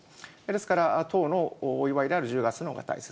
ですから、党のお祝いである１０月のほうが大切。